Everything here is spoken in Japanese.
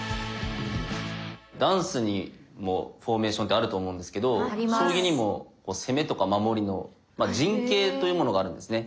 ダンスにもフォーメーションってあると思うんですけど将棋にも攻めとか守りのまあ「陣形」というものがあるんですね。